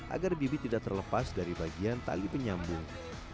agar bibit tidak terlepas dari bagian tali penyambung